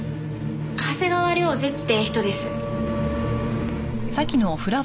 長谷川亮二って人です。